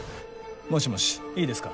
もしもしいいですか。